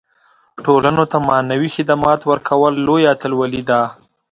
ټولنو ته معنوي خدمات ورکول لویه اتلولي ده.